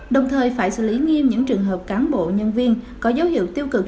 đồng thời phải xử lý nghiêm những trường hợp cán bộ nhân viên có dấu hiệu tiêu cực